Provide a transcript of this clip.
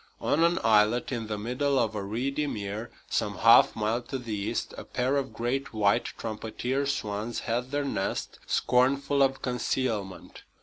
On an islet in the middle of a reedy mere, some half mile to the east, a pair of great white trumpeter swans had their nest, scornful of concealment.